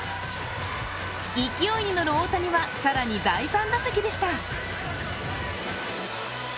勢いに乗る大谷は更に第３打席でした。